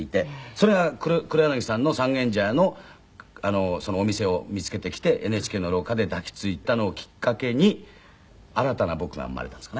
それが黒柳さんの三軒茶屋のお店を見つけてきてＮＨＫの廊下で抱きついたのをきっかけに新たな僕が生まれたんですかね。